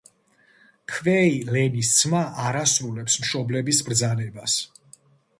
ქვეი-ლენის ძმა არ ასრულებს მშობლების ბრძანებას.